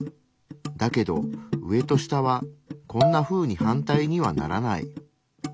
だけど上と下はこんなふうに反対にはならない。